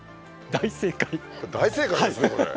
大正解ですねそれ。